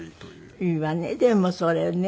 いいわねでもそれね。